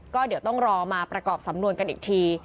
ก็เดี๋ยวต้องรอมาประกอบสำนวนกันอีกที